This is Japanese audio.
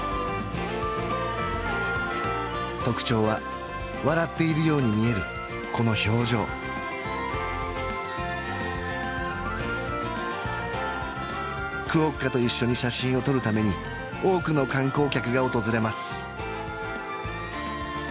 特徴は笑っているように見えるこの表情クオッカと一緒に写真を撮るために多くの観光客が訪れます